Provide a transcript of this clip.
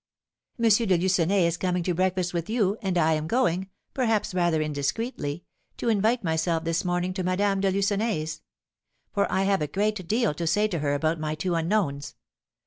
M. de Lucenay is coming to breakfast with you, and I am going, perhaps rather indiscreetly, to invite myself this morning to Madame de Lucenay's; for I have a great deal to say to her about my two unknowns.